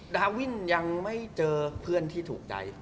ดาวินยังไม่เจอเพื่อนที่ถูกใจ